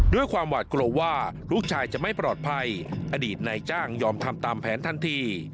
ด้วยความหวาดกลัวว่าลูกชายจะไม่ปลอดภัยอดีตนายจ้างยอมทำตามแผนทันที